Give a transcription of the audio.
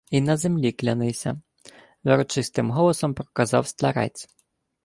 — Й на землі клянися, — врочистим голосом проказав старець.